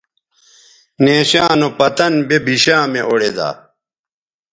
نیشاں نو پتن بے بشامےاوڑیدا